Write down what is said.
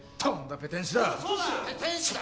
・ペテン師だ！